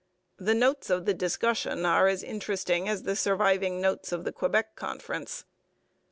The notes of the discussion are as interesting as the surviving notes of the Quebec Conference.